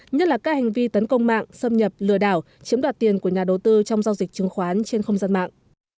nhất là các hành vi tấn công mạng xâm nhập lừa đảo chiếm đoạt tiền của nhà đầu tư trong giao dịch chứng khoán trên không gian mạng